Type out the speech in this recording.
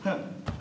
あ！